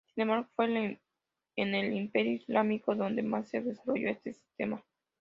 Sin embargo, fue en el Imperio Islámico donde más se desarrolló este sistema.